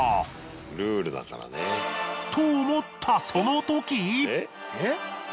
ルールだからね。と思ったそのとき！